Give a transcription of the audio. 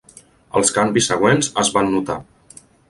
Els canvis següents es van notar.